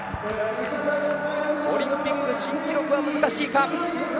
オリンピック新記録は難しいか。